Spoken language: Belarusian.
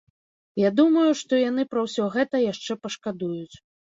Я думаю, што яны пра ўсё гэта яшчэ пашкадуюць.